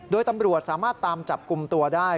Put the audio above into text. โดยตำรวจสามารถตามจับกลุ่มตัวได้